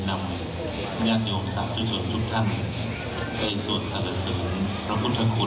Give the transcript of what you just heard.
นำญาติโมงศาสตร์ทุกพุทธท่านในสวรรค์สรรคุณพระพุทธคุณ